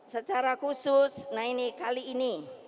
secara khusus nah ini kali ini